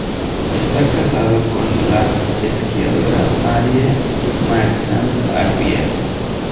Está casado con la esquiadora Marie Marchand-Arvier.